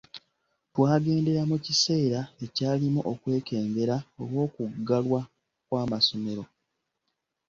Twagendera mu kiseera ekyalimu okwekengera olw’okuggalwa kw’amasomero.